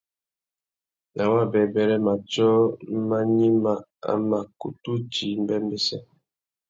Nà wabêbêrê, matiō mà gnïmá, a mà kutu djï mbêmbêssê.